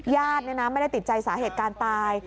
ญาติไม่ได้ติดใจสาเหตุการณ์ตาย